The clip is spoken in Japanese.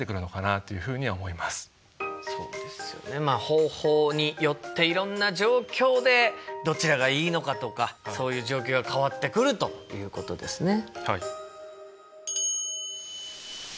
方法によっていろんな状況でどちらがいいのかとかそういう状況が変わってくるということですね。